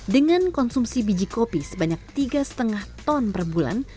dengan konsumsi biji kopi sebanyak tiga lima ton per bulan